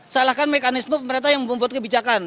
salahkan mekanisme pemerintah yang membuat kebijakan